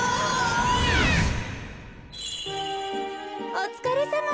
おつかれさま。